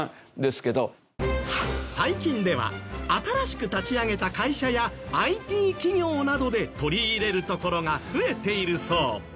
最近では新しく立ち上げた会社やＩＴ企業などで取り入れるところが増えているそう。